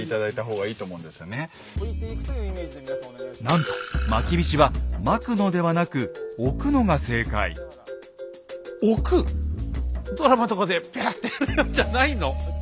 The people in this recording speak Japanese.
なんとまきびしはまくのではなく置く⁉ドラマとかでビャッてやるんじゃないの？